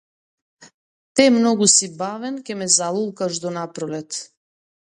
Те многу си бавен, ќе ме залулкаш до напролет!